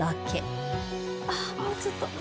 あっもうちょっと。